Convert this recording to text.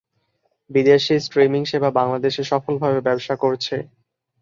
বিদেশি স্ট্রিমিং সেবা বাংলাদেশে সফলভাবে ব্যবসা করছে।